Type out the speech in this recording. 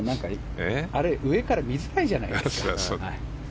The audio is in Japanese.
上から見づらいじゃないですか。